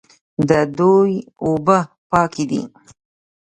د دوی اوبه پاکې دي.